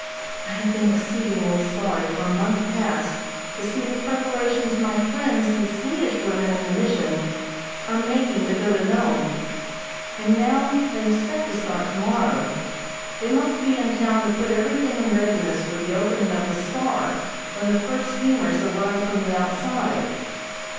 I have been exceedingly sorry for a month past to see the preparations my friends, the Swedish women in the Mission, are making to go to Nome, and now they expect to start tomorrow. They must be in town to put everything in readiness for the opening of the "Star" when the first steamers arrive from the outside.